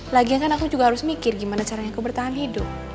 lagian kan aku juga harus mikir gimana caranya aku bertahan hidup